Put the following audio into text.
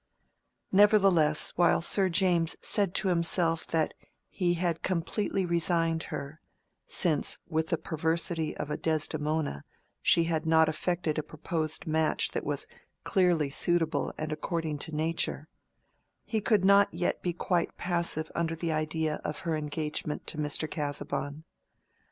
Nevertheless, while Sir James said to himself that he had completely resigned her, since with the perversity of a Desdemona she had not affected a proposed match that was clearly suitable and according to nature; he could not yet be quite passive under the idea of her engagement to Mr. Casaubon.